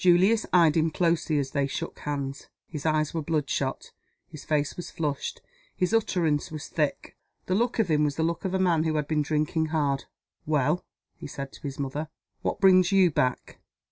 Julius eyed him closely as they shook hands. His eyes were bloodshot; his face was flushed; his utterance was thick the look of him was the look of a man who had been drinking hard. "Well?" he said to his mother. "What brings you back?"